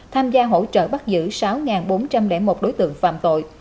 tham gia hỗ trợ bắt giữ sáu bốn trăm linh một đối tượng phạm tội